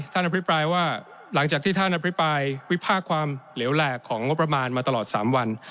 อภิปรายว่าหลังจากที่ท่านอภิปรายวิพากษความเหลวแหลกของงบประมาณมาตลอด๓วัน